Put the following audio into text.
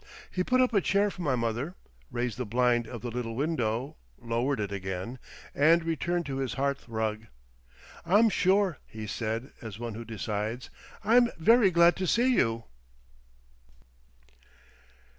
He put up a chair for my mother, raised the blind of the little window, lowered it again, and returned to his hearthrug. "I'm sure," he said, as one who decides, "I'm very glad to see you."